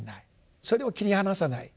それを切り離さない。